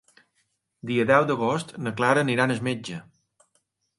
El deu d'agost na Clara anirà al metge.